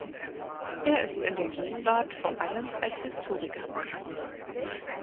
Er ist in der Gegenwart vor allem als Historiker bekannt.